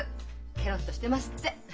「ケロッとしてます」って。